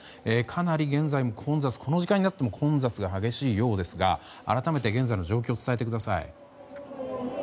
かなり現在、この時間になっても混雑が激しいようですが改めて現在の状況を伝えてください。